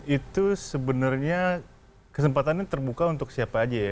itu sebenarnya kesempatannya terbuka untuk siapa aja ya